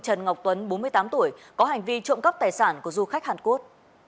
trần ngọc tuấn bốn mươi tám tuổi có hành vi trộm cắp tài sản của du khách hàn quốc